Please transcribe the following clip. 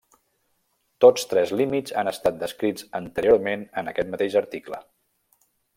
Tots tres límits han estat descrits anteriorment en aquest mateix article.